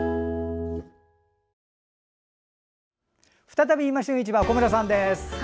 再び「いま旬市場」小村さんです。